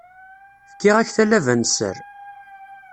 Fkiɣ-ak talaba n sser.